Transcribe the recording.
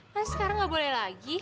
kan sekarang nggak boleh lagi